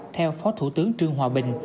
theo phó thủ tướng trương hòa bình